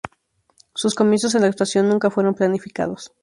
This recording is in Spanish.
Sus comienzos en la actuación nunca fueron planificados.